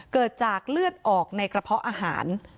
เกิดจากเลือดออกในกระเพาะอาหาร